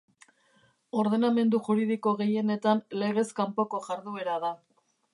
Ordenamendu juridiko gehienetan legez kanpoko jarduera da.